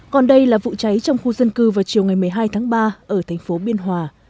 còn đây là vụ cháy trong khu dân cư vào chiều ngày một mươi hai tháng ba ở thành phố biên hòa